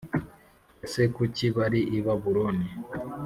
ese kuki bari i babuloni